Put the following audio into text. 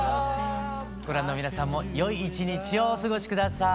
ご覧の皆さんもよい一日をお過ごし下さい。